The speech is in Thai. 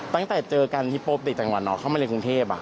ตั้งแต่เจอกันที่โปรปติกจังหวัดหนอเข้ามาเรียนกรุงเทพฯอะ